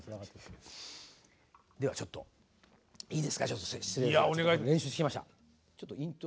ではちょっといいですか失礼して。